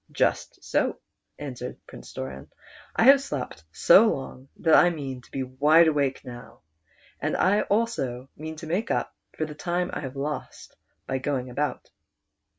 "Just so," answered Prince Doran, "I have slept so long that I mean to be wide awake now, and I also mean to make up for the time I have lost by going about."